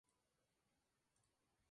Odisha padece intensos monzones.